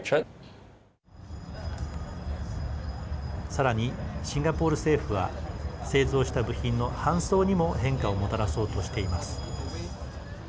さらにシンガポール政府は製造した部品の搬送にも変化をもたらそうとしています。